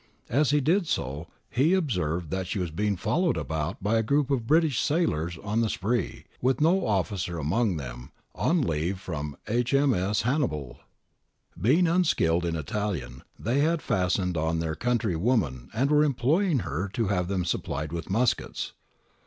As he did so, he observed that she was being followed about by a group of British sailors on the spree, with no officer among them, on leave from H.M.S. Hannibal} Being unskilled in Italian, they had fastened on their country woman and were imploring her to have them supplied with muskets.